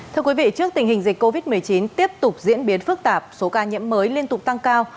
thưa quý vị trước tình hình dịch covid một mươi chín tiếp tục diễn biến phức tạp số ca nhiễm mới liên tục tăng cao